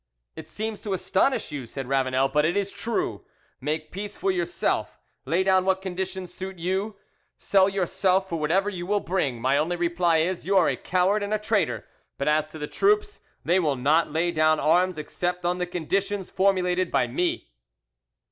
"It seems to astonish you," said Ravanel, "but it is true. Make peace for yourself, lay down what conditions suit you, sell yourself for whatever you will bring; my only reply is, You are a coward and a traitor. But as to the troops, they will not lay down arms except on the conditions formulated by me."